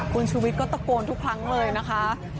คุณชุวิตก็ตะโกนทุกครั้งเลยนะคะ